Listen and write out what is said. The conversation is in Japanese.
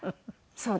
そう。